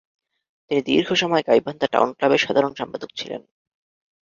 তিনি দীর্ঘ সময় গাইবান্ধা টাউন ক্লাবের সাধারণ সম্পাদক ছিলেন।